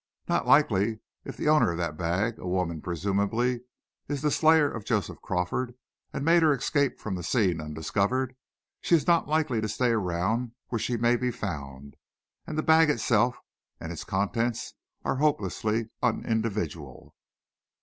"Not likely. If the owner of that bag a woman, presumably is the slayer of Joseph Crawford, and made her escape from the scene undiscovered, she is not likely to stay around where she may be found. And the bag itself, and its contents, are hopelessly unindividual."